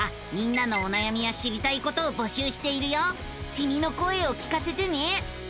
きみの声を聞かせてね。